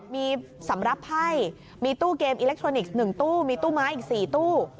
มีสำหรับไพ่มีตู้เกมอิเล็กทรอนิกส์๑ตู้มีตู้ไม้อีก๔ตู้